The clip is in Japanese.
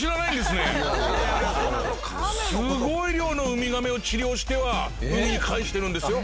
すごい量のウミガメを治療しては海に帰してるんですよ。